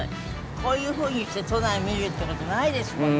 こういうふうにして都内を見るって事ないですもんね。